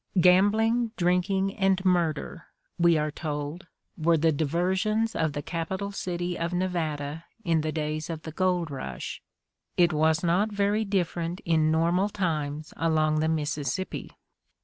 "Gambling, drinking and murder," we are told, were the diversions of the capital city of Nevada in the days of the gold rush. It was not very different in normal times along the Mississippi.